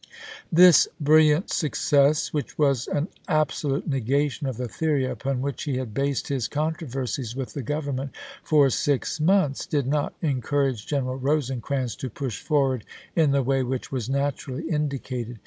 This brilliant success, which was an absolute ises. negation of the theory upon which he had based his controversies with the Government for six months, did not encourage Greneral Rosecrans to push forward in the way which was naturally indi cated.